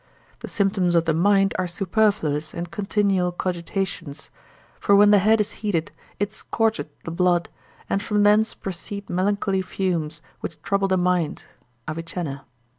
The symptoms of the mind are superfluous and continual cogitations; for when the head is heated, it scorcheth the blood, and from thence proceed melancholy fumes, which trouble the mind, Avicenna.